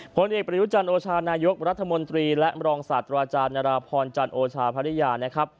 ผลเด็กประยุจรรย์โอชานายกรัฐมนตรีและรองศาสตร์ราชานารพรจรรย์โอชาภรรยา